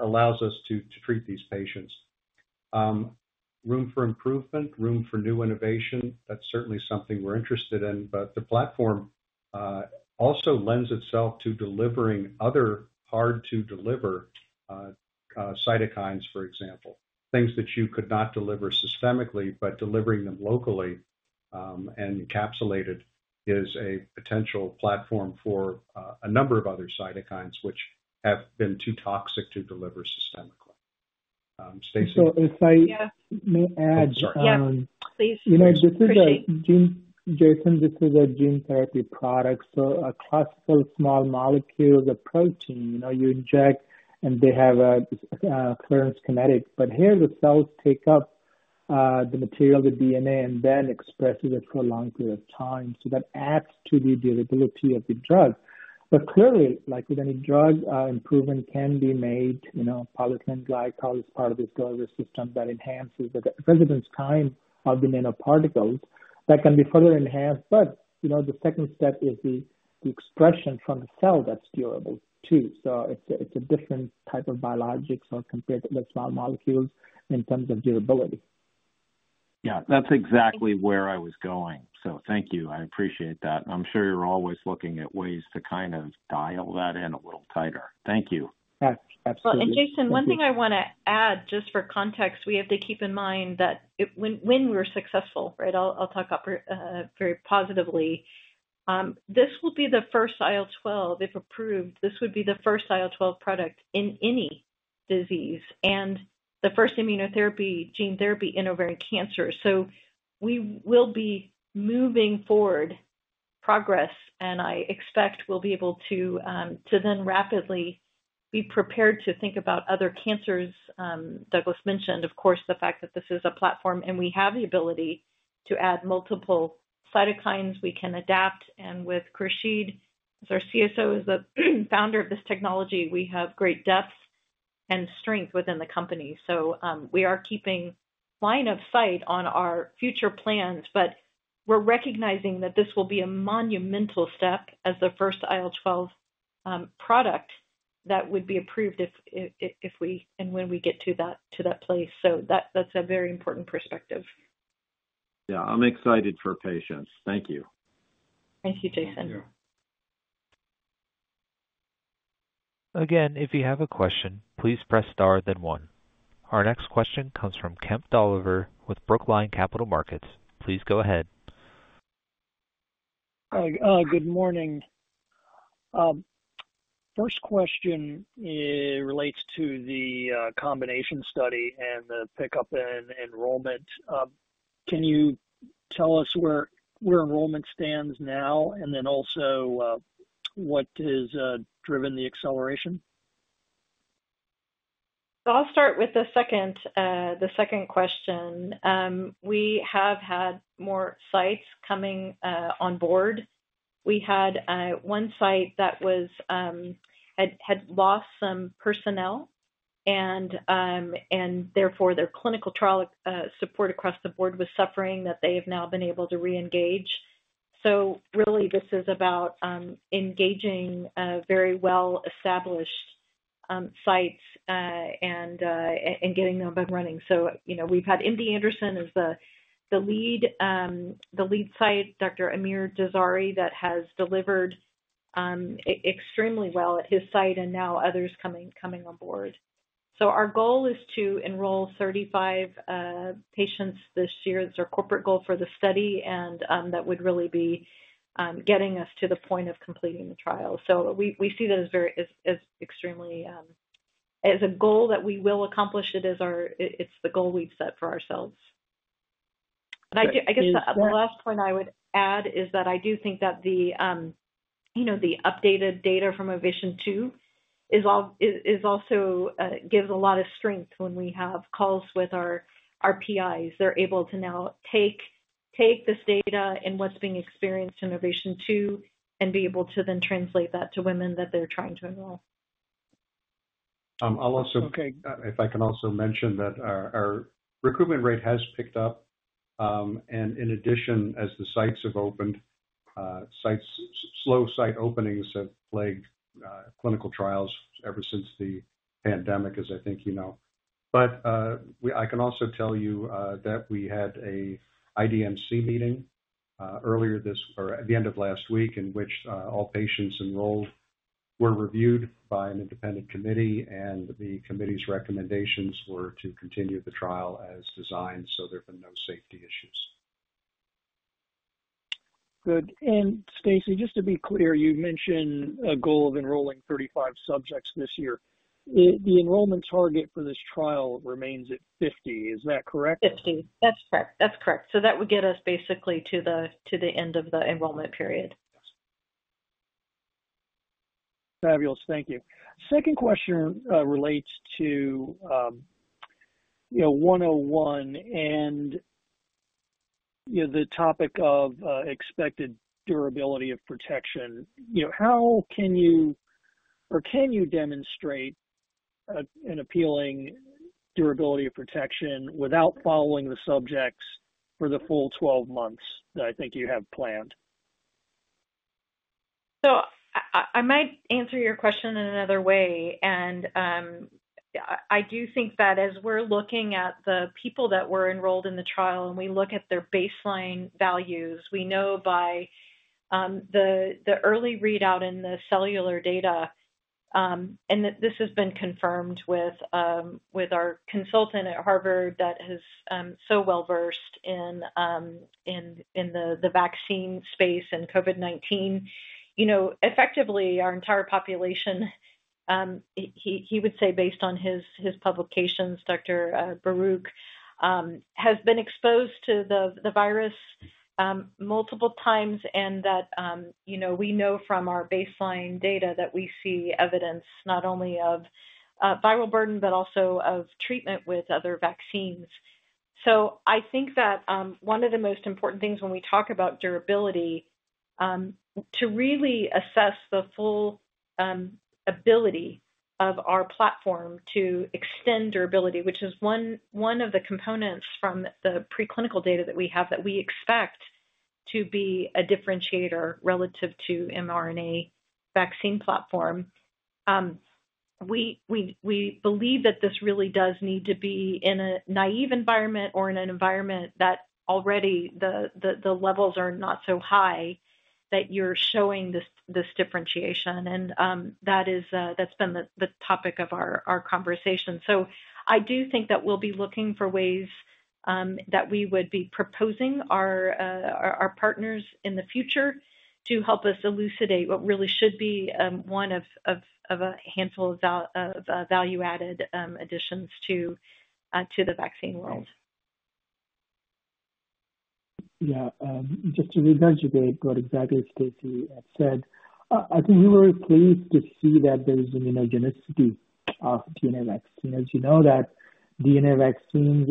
allows us to treat these patients. Room for improvement, room for new innovation, that's certainly something we're interested in. The platform also lends itself to delivering other hard-to-deliver cytokines, for example, things that you could not deliver systemically, but delivering them locally and encapsulated is a potential platform for a number of other cytokines which have been too toxic to deliver systemically. Stacy, can you add? Yeah. Please. This is a gene—Jason, this is a gene therapy product. A classical small molecule is a protein. You inject, and they have a clearance kinetics. Here, the cells take up the material, the DNA, and then express it for a long period of time. That adds to the durability of the drug. Clearly, like with any drug, improvement can be made. Polyethylene glycol is part of this delivery system that enhances the residence time of the nanoparticles that can be further enhanced. The second step is the expression from the cell that's durable too. It is a different type of biologics compared to the small molecules in terms of durability. Yeah. That is exactly where I was going. Thank you. I appreciate that. I am sure you are always looking at ways to kind of dial that in a little tighter. Thank you. Absolutely. Jason, one thing I want to add just for context, we have to keep in mind that when we are successful, right? I will talk very positively. This will be the first IL-12, if approved. This would be the first IL-12 product in any disease and the first immunotherapy gene therapy in ovarian cancer. We will be moving forward progress, and I expect we will be able to then rapidly be prepared to think about other cancers. Douglas mentioned, of course, the fact that this is a platform, and we have the ability to add multiple cytokines. We can adapt. And with Khursheed, as our CSO, who is the founder of this technology, we have great depth and strength within the company. We are keeping line of sight on our future plans, but we're recognizing that this will be a monumental step as the first IL-12 product that would be approved if we and when we get to that place. That is a very important perspective. Yeah. I'm excited for patients. Thank you. Thank you, Jason. Thank you. Again, if you have a question, please press star then one. Our next question comes from Kemp Dolliver with Brookline Capital Markets. Please go ahead. Hi. Good morning. First question relates to the combination study and the pickup and enrollment. Can you tell us where enrollment stands now, and then also what has driven the acceleration? I'll start with the second question. We have had more sites coming on board. We had one site that had lost some personnel, and therefore, their clinical trial support across the board was suffering, that they have now been able to reengage. This is about engaging very well-established sites and getting them up and running. We have had MD Anderson as the lead site, Dr. Amir Jazaeri that has delivered extremely well at his site, and now others coming on board. Our goal is to enroll 35 patients this year. That's our corporate goal for the study, and that would really be getting us to the point of completing the trial. We see that as extremely as a goal that we will accomplish. It's the goal we've set for ourselves. I guess the last point I would add is that I do think that the updated data from OVATION 2 also gives a lot of strength when we have calls with our RPIs. They're able to now take this data and what's being experienced in OVATION 2 and be able to then translate that to women that they're trying to enroll. If I can also mention that our recruitment rate has picked up. In addition, as the sites have opened, slow site openings have plagued clinical trials ever since the pandemic, as I think you know. I can also tell you that we had an IDMC meeting earlier this or at the end of last week in which all patients enrolled were reviewed by an independent committee, and the committee's recommendations were to continue the trial as designed. There have been no safety issues. Good. Stacey, just to be clear, you mentioned a goal of enrolling 35 subjects this year. The enrollment target for this trial remains at 50. Is that correct? 50. That is correct. That is correct. That would get us basically to the end of the enrollment period. Fabulous. Thank you. Second question relates to 101 and the topic of expected durability of protection. How can you or can you demonstrate an appealing durability of protection without following the subjects for the full 12 months that I think you have planned? I might answer your question in another way. I do think that as we're looking at the people that were enrolled in the trial and we look at their baseline values, we know by the early readout in the cellular data—and this has been confirmed with our consultant at Harvard that is so well-versed in the vaccine space and COVID-19—effectively, our entire population, he would say based on his publications, Dr. Barouch, has been exposed to the virus multiple times and that we know from our baseline data that we see evidence not only of viral burden but also of treatment with other vaccines. I think that one of the most important things when we talk about durability, to really assess the full ability of our platform to extend durability, which is one of the components from the preclinical data that we have that we expect to be a differentiator relative to mRNA vaccine platform, we believe that this really does need to be in a naive environment or in an environment that already the levels are not so high that you're showing this differentiation. That's been the topic of our conversation. I do think that we'll be looking for ways that we would be proposing our partners in the future to help us elucidate what really should be one of a handful of value-added additions to the vaccine world. Yeah. Just to reiterate what exactly Stacy said, I think we were pleased to see that there's immunogenicity of DNA vaccines. As you know, DNA vaccines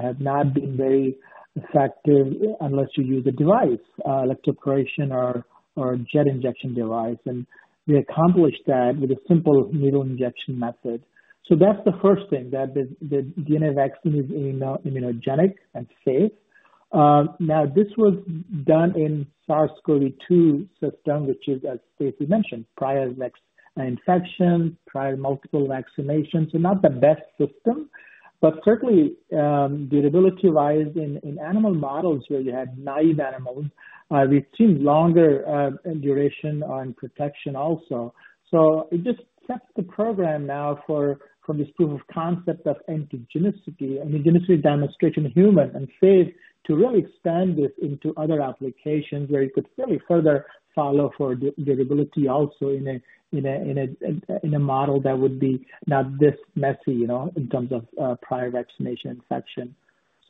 have not been very effective unless you use a device, electroporation or a jet injection device. We accomplished that with a simple needle injection method. That is the first thing, that the DNA vaccine is immunogenic and safe. This was done in SARS-CoV-2 system, which is, as Stacy mentioned, prior infection, prior multiple vaccinations. Not the best system. Certainly, durability-wise, in animal models where you had naive animals, we have seen longer duration on protection also. It just sets the program now for this proof of concept of immunogenicity demonstration in humans and faith to really expand this into other applications where you could really further follow for durability also in a model that would be not this messy in terms of prior vaccination infection.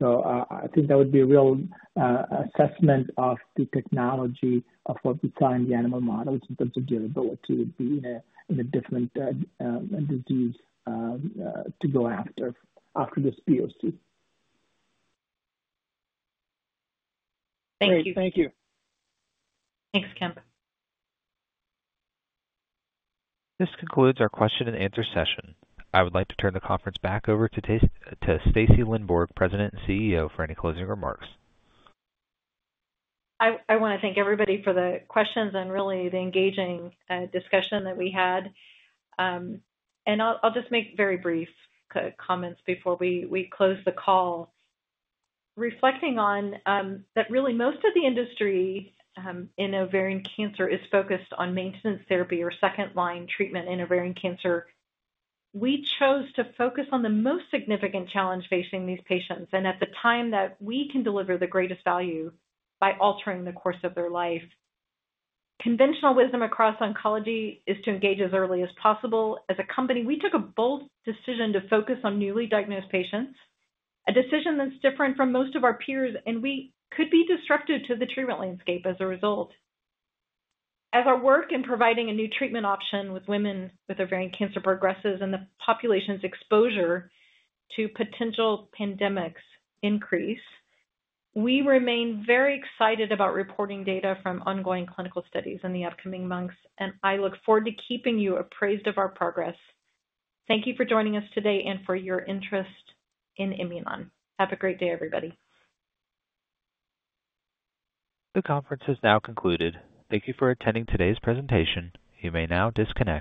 I think that would be a real assessment of the technology of what we find in the animal models in terms of durability would be in a different disease to go after after this POC. Thank you. Thank you. Thanks, Kemp. This concludes our question-and-answer session. I would like to turn the conference back over to Stacy Lindborg, President and CEO, for any closing remarks. I want to thank everybody for the questions and really the engaging discussion that we had. I'll just make very brief comments before we close the call. Reflecting on that, really, most of the industry in ovarian cancer is focused on maintenance therapy or second-line treatment in ovarian cancer. We chose to focus on the most significant challenge facing these patients. At the time that we can deliver the greatest value by altering the course of their life, conventional wisdom across oncology is to engage as early as possible. As a company, we took a bold decision to focus on newly diagnosed patients, a decision that's different from most of our peers, and we could be disruptive to the treatment landscape as a result. As our work in providing a new treatment option with women with ovarian cancer progresses and the population's exposure to potential pandemics increase, we remain very excited about reporting data from ongoing clinical studies in the upcoming months. I look forward to keeping you appraised of our progress. Thank you for joining us today and for your interest in Imunon. Have a great day, everybody. The conference is now concluded. Thank you for attending today's presentation. You may now disconnect.